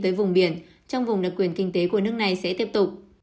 tới vùng biển trong vùng đặc quyền kinh tế của nước này sẽ tiếp tục